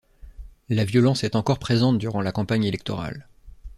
La violence est encore présente durant la campagne électorale.